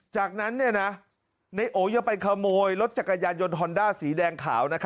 จากนั้นนายโอยังไปขโมยรถจักรยานยนต์ฮอนด้าสีแดงขาว